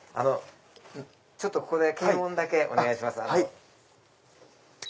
ここで検温だけお願いします。